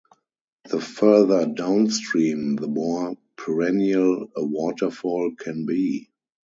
The further downstream, the more perennial a waterfall can be.